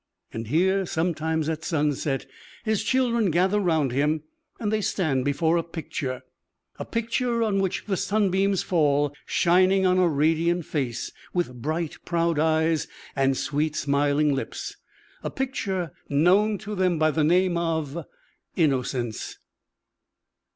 And here sometimes, at sunset, his children gather round him, and they stand before a picture a picture on which the sunbeams fall, shining on a radiant face, with bright, proud eyes, and sweet, smiling lips a picture known to them by the name of "Innocence."